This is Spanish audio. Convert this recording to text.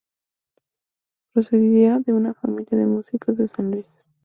Procedía de una familia de músicos de San Luis.